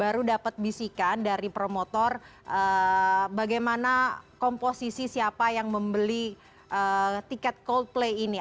baru dapat bisikan dari promotor bagaimana komposisi siapa yang membeli tiket coldplay ini